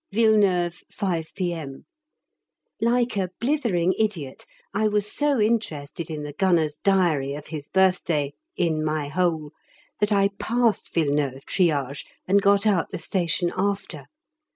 Villeneuve, 5 P.M. Like a blithering idiot, I was so interested in the Gunner's Diary of his birthday "in my hole" that I passed Villeneuve Triage, and got out the station after!